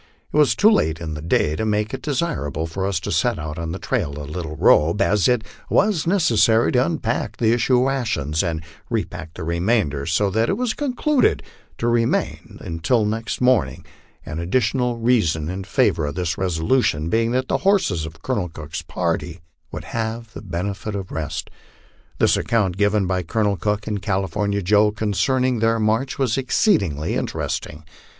It was too late in the day to make it desirable for us to set out on the trail of Little Robe, as it was necessary to unpack and issue rations and repack the remainder; so that it was concluded to remain until next morning, an additional reason in favor of this resolution being that the horses of Colonel Cook's party would have the benefit of rest. The account given by Colonel Cook and California Joe concerning their march was exceedingly interesting.